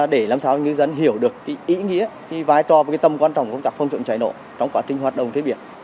để làm sao ngư dân hiểu được ý nghĩa vai trò và tâm quan trọng của công tác phong trọng cháy nổ trong quá trình hoạt động chết biển